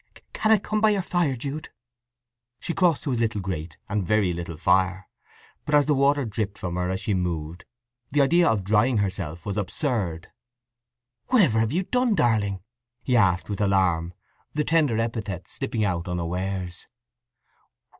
"Can I come by your fire, Jude?" She crossed to his little grate and very little fire, but as the water dripped from her as she moved, the idea of drying herself was absurd. "Whatever have you done, darling?" he asked, with alarm, the tender epithet slipping out unawares.